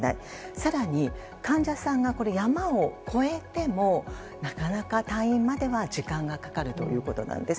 更に、患者さんが山を越えてもなかなか退院までは時間がかかるということなんです。